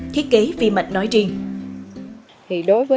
thiết kế vi mạch nói riêng